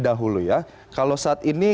dahulu ya kalau saat ini